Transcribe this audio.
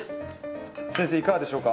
先生いかがでしょうか？